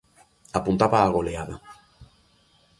Apuntaba a goleada.